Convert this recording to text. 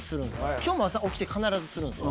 今日も朝起きて必ずするんですよ